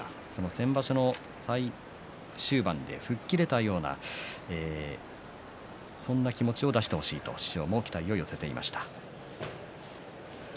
先場所の最終盤で吹っ切れたようなそんな気持ちを出してほしいと師匠も期待を寄せていました。